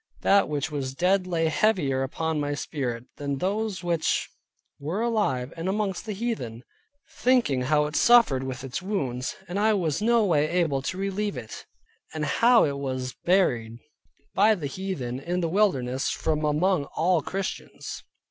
That which was dead lay heavier upon my spirit, than those which were alive and amongst the heathen: thinking how it suffered with its wounds, and I was no way able to relieve it; and how it was buried by the heathen in the wilderness from among all Christians.